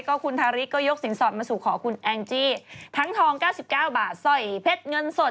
คุณทาริสก็ยกสินสอดมาสู่ขอคุณแองจี้ทั้งทอง๙๙บาทสร้อยเพชรเงินสด